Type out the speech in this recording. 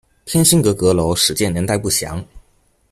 天心阁阁楼始建年代不详。